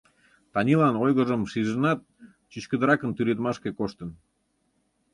Танилан ойгыжым шижынат, чӱчкыдыракын тӱредмашке коштын.